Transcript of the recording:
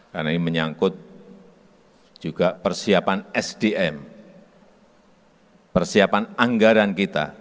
karena ini menyangkut juga persiapan sdm persiapan anggaran kita